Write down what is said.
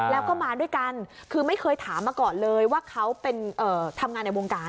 แล้วก็มาด้วยกันคือไม่เคยถามมาก่อนเลยว่าเขาเป็นทำงานในวงการ